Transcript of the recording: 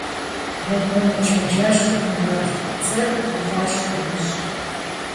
ЕтӀуанэ чэнджэщыр мыращ: пцӀыр уи фӀэщ умыщӀ.